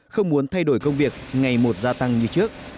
không muốn thay đổi công việc ngày một gia tăng như trước